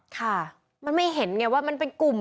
ค่ะมันไม่เห็นไงว่ามันเป็นกลุ่ม